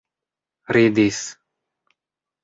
ridis